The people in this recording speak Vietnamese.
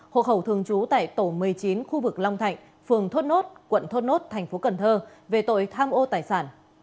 hộ khẩu thường trú tại tổ một mươi chín khu vực long thạnh phường thốt nốt quận thốt nốt thành phố cần thơ về tội tham ô tài sản